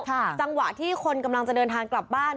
จังหวะที่คนกำลังจะเดินทางกลับบ้าน